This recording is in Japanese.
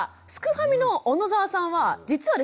ファミの小野澤さんは実はですね